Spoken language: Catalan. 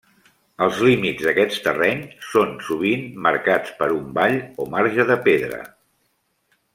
Els límits d'aquest terreny són sovint marcats per un vall o marge de pedra.